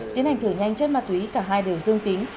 tiến hành thử nhanh chất ma túy cả hai đều dương tính